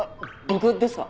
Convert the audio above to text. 僕ですか？